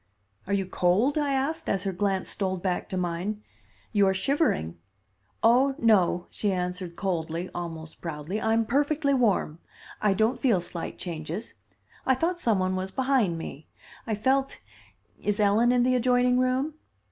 "Are you cold?" I asked, as her glance stole back to mine. "You are shivering " "Oh, no," she answered coldly, almost proudly. "I'm perfectly warm. I don't feel slight changes. I thought some one was behind me. I felt Is Ellen in the adjoining room?"